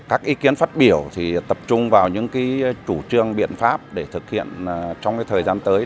các ý kiến phát biểu tập trung vào những chủ trương biện pháp để thực hiện trong thời gian tới